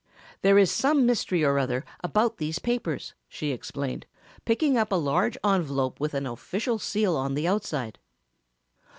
"There is some mystery or other about these papers," she explained, picking up a large envelope with an official seal on the outside.